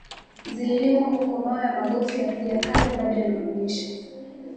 zililimwa huko Mawe ya maghofu ya miji ya kale bado yanaonyesha